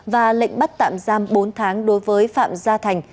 và lệnh bắt tạm giam bốn tháng đối với phạm gia thành